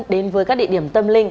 đến với các địa điểm tâm linh